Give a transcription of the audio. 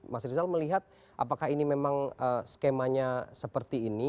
mas rizal melihat apakah ini memang skemanya seperti ini